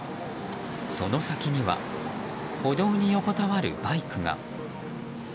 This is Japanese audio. その先には歩道に横たわるバイクが。